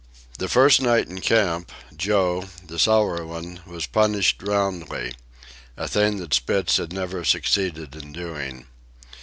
The first night in camp, Joe, the sour one, was punished roundly—a thing that Spitz had never succeeded in doing.